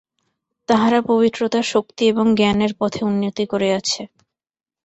তাহারা পবিত্রতা, শক্তি এবং জ্ঞানের পথে উন্নতি করিয়াছে।